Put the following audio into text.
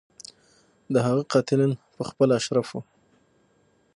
د هغه قاتلین په خپله اشراف وو.